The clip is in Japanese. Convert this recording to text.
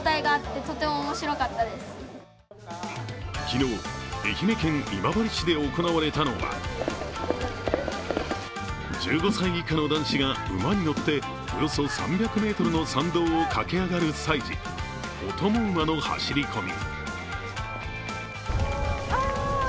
昨日、愛媛県今治市で行われたのは１５歳以下の男子が馬に乗っておよそ３００ｍの参道を駆け上がる祭事お供馬の走り込み。